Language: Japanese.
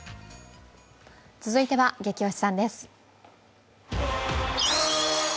続いては「ゲキ推しさん」です。